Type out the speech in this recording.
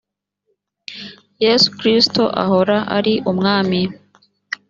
yesu kristo ahora ari umwami